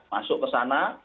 masuk ke sana